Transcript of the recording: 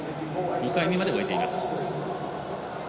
２回目まで終えています。